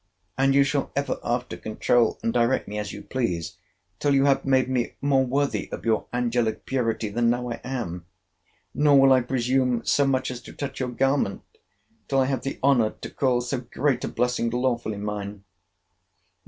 And you shall ever after controul and direct me as you please, till you have made me more worthy of your angelic purity than now I am: nor will I presume so much as to touch your garment, till I have the honour to call so great a blessing lawfully mine.